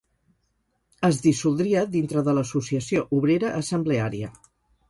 Es dissoldria dintre de l'Associació Obrera Assembleària.